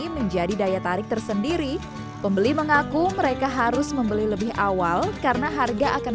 menjadi daya tarik tersendiri pembeli mengaku mereka harus membeli lebih awal karena harga akan